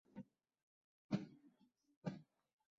এখনি চলে আসবো, আমি।